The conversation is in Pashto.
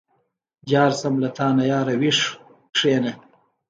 ځار شم له تانه ياره ویښ کېنه.